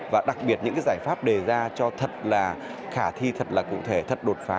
và đặc biệt những giải pháp đề ra cho thật là khả thi thật là cụ thể thật đột phá